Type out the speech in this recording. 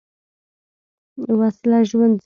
وسله ژوند ځپي